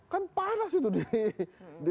kan panas itu di